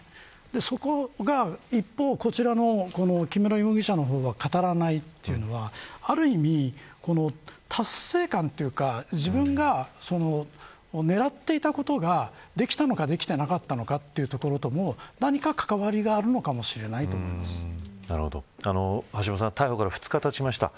そこが、一方こちらの木村容疑者の方は語らないというのはある意味、達成感というか自分が狙っていた事ができたのかできていなかったのかというところとも何か関わりがあるのかもしれない橋下さん逮捕から２日たちました。